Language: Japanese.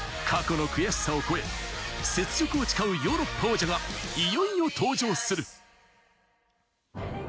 過去の悔しさを超え、雪辱を誓うヨーロッパ王者がいよいよ登場する。